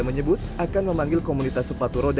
menyebut akan memanggil komunitas sepatu roda